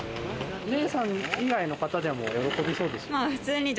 お姉さん以外の方でも喜びそうですか？